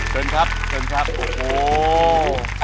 เชิญครับเชิญครับโอ้โห